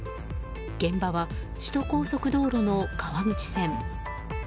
現場は首都高速道路の川口線。